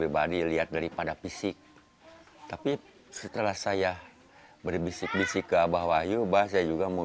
pribadi lihat daripada fisik tapi setelah saya berbisik bisik ke abah wahyu bah saya juga mau